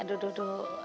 aduh aduh aduh